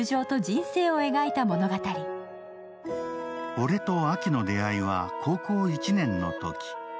俺とアキの出会いは高校１年のとき。